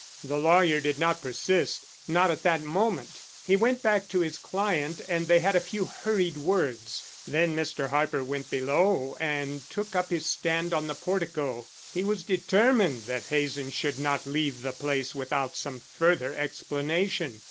The lawyer did not persist, not at that moment; he went back to his client and they had a few hurried words; then Mr. Harper went below and took up his stand on the portico. He was determined that Hazen should not leave the place without some further explanation.